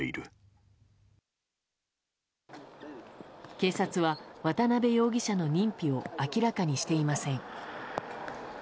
警察は渡辺容疑者の認否を明らかにしていません。